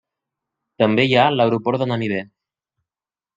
També hi ha l'aeroport de Namibe.